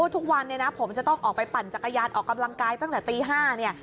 ทุกวันเนี่ยนะผมจะต้องออกไปปั่นจักรยานออกกำลังกายตั้งแต่ตี๕เนี่ย